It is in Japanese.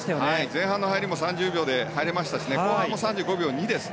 前半の入りも３０秒で入れましたし後半も３５秒２です。